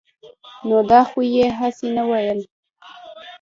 نو دا خو يې هسې نه وييل -